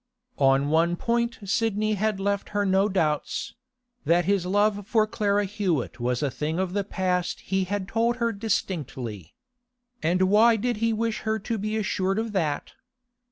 On one point Sidney had left her no doubts; that his love for Clara Hewett was a thing of the past he had told her distinctly. And why did he wish her to be assured of that?